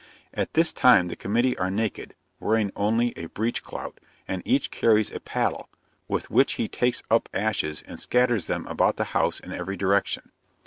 At this time the committee are naked, (wearing only a breech clout,) and each carries a paddle, with which he takes up ashes and scatters them about the house in every direction.